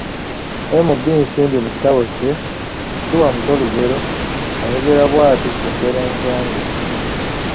M.B.Nsimbi mu kitabo kye Siwa muto Lugero, ayogera bw’ati ku ngero ensonge,